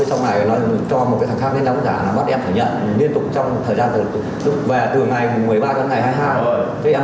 có con đi đâu với trong này nó cho một cái thằng khác cái nóng giả nó bắt em phải nhận